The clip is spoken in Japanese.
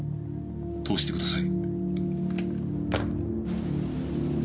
通してください。